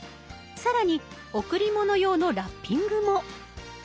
更に贈り物用のラッピングも。